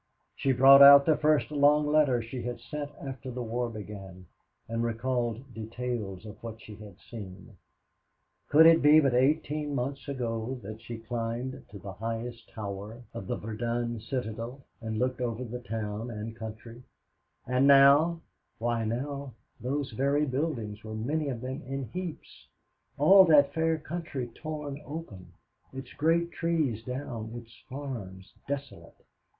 She brought out the first long letter she had sent after the war began and recalled details of what she had seen could it be but eighteen months ago that she climbed to the highest tower of the Verdun citadel and looked over the town and country and now, why now, those very buildings were many of them in heaps all that fair country torn open, its great trees down, its farms desolate.